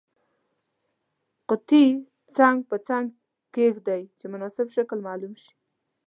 قطي څنګ په څنګ کیږدئ چې مناسب شکل معلوم شي.